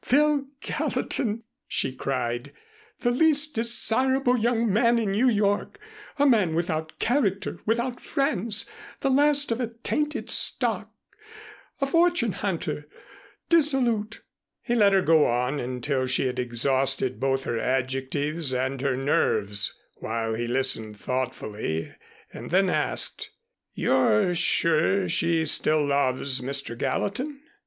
Phil Gallatin," she cried, "the least desirable young man in New York, a man without a character, without friends, the last of a tainted stock, a fortune hunter, dissolute " He let her go on until she had exhausted both her adjectives and her nerves while he listened thoughtfully, and then asked, "You're sure she still loves Mr. Gallatin?"